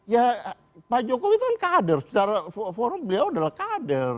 ya pak jokowi itu kan kader secara forum beliau adalah kader